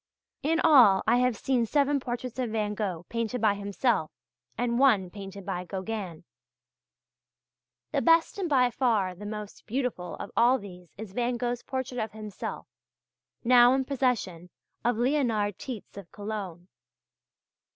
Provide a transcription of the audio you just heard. In all I have seen seven portraits of Van Gogh painted by himself, and one painted by Gauguin. The best and by far the most beautiful of all these is Van Gogh's portrait of himself now in the possession of Leonhard Tietz of Cologne.